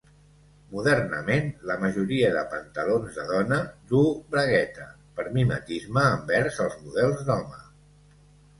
Modernament la majoria de pantalons de dona duu bragueta, per mimetisme envers els models d'home.